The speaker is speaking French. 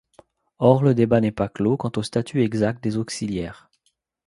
Or, le débat n'est pas clos quant au statut exact des auxiliaires.